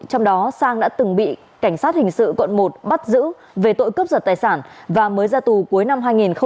trong đó sang đã từng bị cảnh sát hình sự quận một bắt giữ về tội cướp giật tài sản và mới ra tù cuối năm hai nghìn một mươi ba